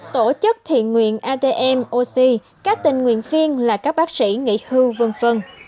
tổ chức thiện nguyện atm oc các tình nguyện viên là các bác sĩ nghỉ hư v v